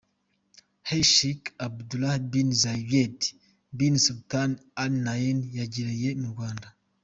H Sheikh Abdullah bin Zayed bin Sultan Al Nahyan yagiriye mu Rwanda.